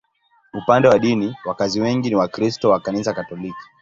Upande wa dini, wakazi wengi ni Wakristo wa Kanisa Katoliki.